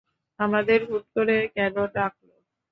আমাদের হুট করে কেন ডাকলো?